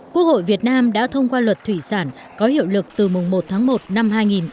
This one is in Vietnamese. quốc hội việt nam đã thông qua luật thủy sản có hiệu lực từ mùng một tháng một năm hai nghìn hai mươi